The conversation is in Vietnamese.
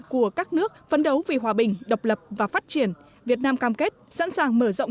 của các nước phấn đấu vì hòa bình độc lập và phát triển việt nam cam kết sẵn sàng mở rộng